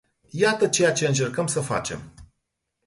Iată ceea ce încercăm să facem.